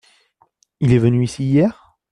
Il est venu ici hier ?